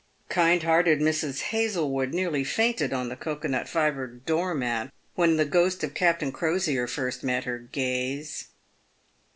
Kikd heaeted Mrs. Hazlewood nearly fainted on the cocoa nut fibre doormat when the ghost of Captain Crosier first met her gaze.